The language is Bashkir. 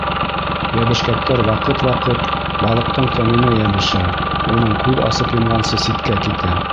Йәбешкәктәр ваҡыт-ваҡыт балыҡтың тәненә йәбешә, унан күҙ асып йомғансы ситкә китә.